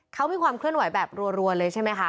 เขามีความเคลื่อนไหวแบบรัวเลยใช่ไหมคะ